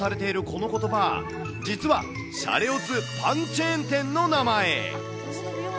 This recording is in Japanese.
このことば、実はシャレオツパンチェーン店の名前。